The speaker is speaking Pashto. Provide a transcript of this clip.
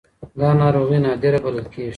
دا ناروغي نادره بلل کېږي.